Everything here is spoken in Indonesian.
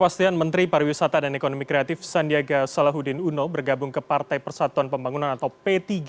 kepastian menteri pariwisata dan ekonomi kreatif sandiaga salahuddin uno bergabung ke partai persatuan pembangunan atau p tiga